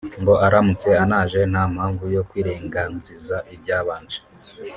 ngo aramutse anaje nta mpamvu yo kwirenganziza ibyabanje